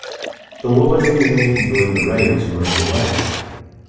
The woman in the navy blue beret was running away.